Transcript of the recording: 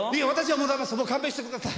もう勘弁してください。